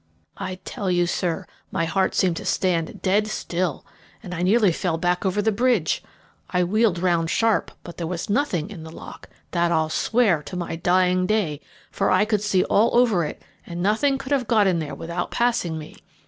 "I tell you, sir, my heart seemed to stand dead still, and I nearly fell back over the bridge. I wheeled round sharp, but there was nothing in the lock, that I'll swear to my dying day for I could see all over it, and nothing could have got in there without passing me.